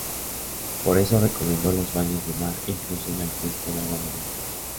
Por eso recomendó los baños de mar e incluso la ingesta de agua marina.